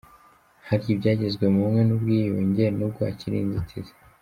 Hari ibyagezweho mu bumwe n’ubwiyunge n’ubwo hakiri inzitizi